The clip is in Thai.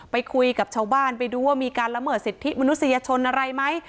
ไปคุยกับชาวบ้านไปดูว่ามีการละเมิดสิทธิมนุษยชนอะไรไหม